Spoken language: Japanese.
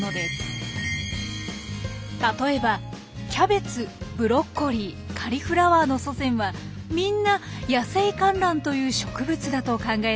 例えばキャベツブロッコリーカリフラワーの祖先はみんなヤセイカンランという植物だと考えられています。